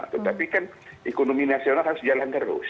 tetapi kan ekonomi nasional harus jalan terus